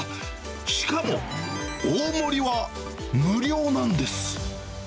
しかも、大盛りは無料なんです。